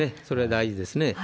それが大事ですね。